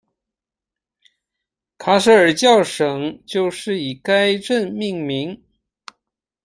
卡舍尔教省就是以该镇命名。